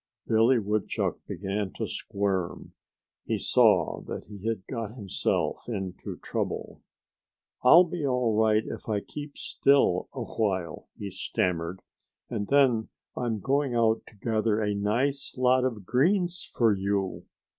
Billy Woodchuck began to squirm. He saw that he had got himself into trouble. "I'll be all right if I keep still a while," he stammered. "And then I'm going out to gather a nice lot of greens for you."